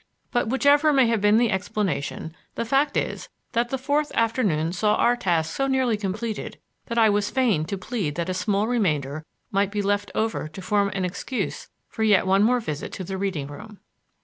But whichever may have been the explanation, the fact is that the fourth afternoon saw our task so nearly completed that I was fain to plead that a small remainder might be left over to form an excuse for yet one more visit to the reading room.